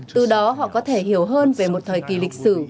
từ đó họ có thể hiểu hơn về một thời kỳ lịch sử